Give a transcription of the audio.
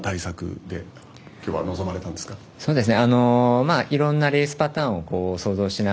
そうですね